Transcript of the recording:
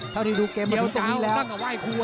เต้าที่ดูเกมมันถึงตรงนี้แล้ว